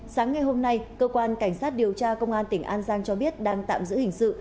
sáng ngày hôm nay cơ quan cảnh sát điều tra công an tỉnh an giang cho biết đang tạm giữ hình sự